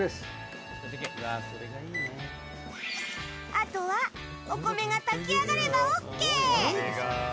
あとはお米が炊き上がればＯＫ。